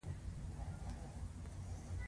برټانوي عسکر مه راباندې تحمیلوه.